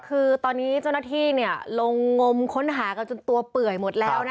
คือตอนนี้เจ้าหน้าที่ลงงมค้นหากันจนตัวเปื่อยหมดแล้วนะคะ